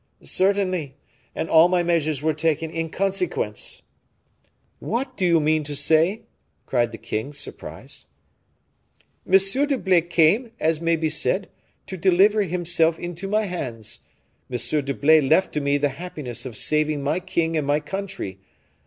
"Certainly; and all my measures were taken in consequence." "What do you mean to say?" cried the king, surprised. "M. d'Herblay came, as may be said, to deliver himself into my hands. M. d'Herblay left to me the happiness of saving my king and my country.